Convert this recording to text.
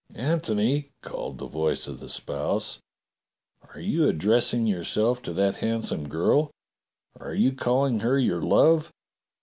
^^" "Antony," called the voice of the spouse, "are you addressing yourself to that handsome girl.^ Are you calling her your love?